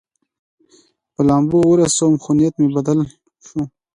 په لامبو ورسوم، خو نیت مې بدل شو.